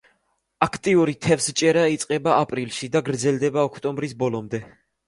აქტიური თევზჭერა იწყება აპრილში და გრძელდება ოქტომბრის ბოლომდე.